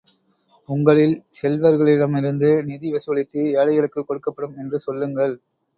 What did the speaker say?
உங்களில் செல்வர்களிடமிருந்து நிதி வசூலித்து, ஏழைகளுக்குக் கொடுக்கப்படும் என்று சொல்லுங்கள்.